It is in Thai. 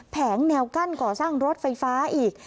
แงวกั้นก่อสร้างรถไฟฟ้าอีก